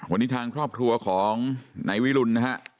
วันนี้ทางครอบครัวของไหนวิรุณนะฮะ